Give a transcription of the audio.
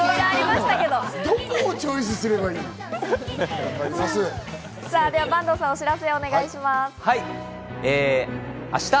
どこをチョイスすればいいの？